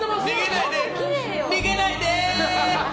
逃げないで！